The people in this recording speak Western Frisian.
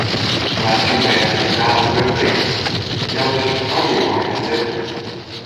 Wa’t syn bern Frysktalich grutbringt, jout dus in foardiel mei foar it libben.